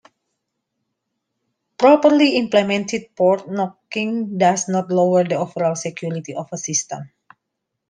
Properly implemented port knocking does not lower the overall security of a system.